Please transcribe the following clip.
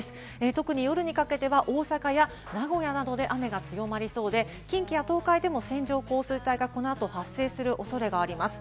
特に夜にかけては大阪や名古屋などで雨が強まりそうで、近畿や東海でも線状降水帯がこのあと発生する恐れがあります。